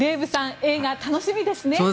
映画楽しみですね。